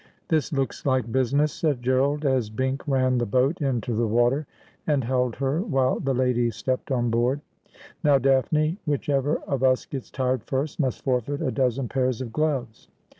' This looks like business,' said Gerald, as Bink ran the boat into the water, and held her while the ladies stepped on board. ' Now, Daphne, whichever of us gets tired first must forfeit a dozen pairs of gloves.'